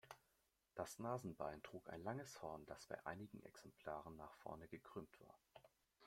Das Nasenbein trug ein langes Horn, das bei einigen Exemplaren nach vorne gekrümmt war.